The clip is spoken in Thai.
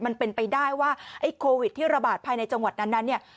มันเป็นไปได้ว่าไอ้โควิดที่ระบาดภายในจังหวัดนั้นเนี่ย